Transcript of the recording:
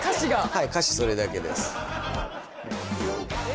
はい歌詞それだけですえ